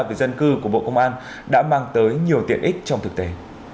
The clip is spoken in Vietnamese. về dân cư của bộ công an đã mang tới nhiều tiện ích trong thực tế